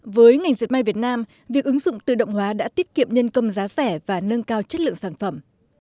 với ngành diệt may việt nam việc ứng dụng tự động hóa đã tiết kiệm nhân công giá rẻ và nâng cao chất lượng sản phẩm